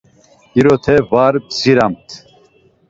İrote var bziramt.